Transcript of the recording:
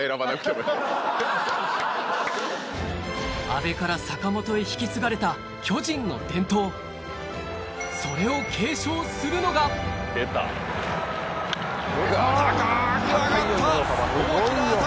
阿部から坂本へ引き継がれた巨人の伝統それを継承するのが高く上がった大きな当たり。